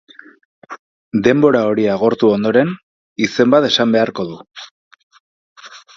Denbora hori agortu ondoren, izen bat esan beharko du.